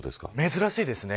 珍しいですね。